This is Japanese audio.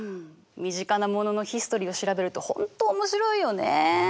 身近なもののヒストリーを調べると本当面白いよね。